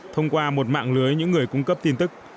thông qua một mạng lưới những người cung cấp tin tức